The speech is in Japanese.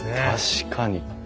確かに。